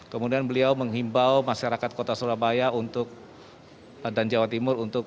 kemudian beliau menghimbau masyarakat kota surabaya untuk dan jawa timur untuk